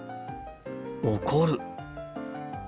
怒る。